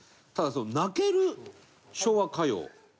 ただ、その泣ける昭和歌謡。